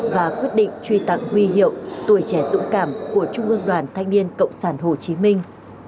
và quyết định truy tặng huy hiệu tuổi trẻ dũng cảm của trung ương đoàn thanh niên cộng sản hồ chí minh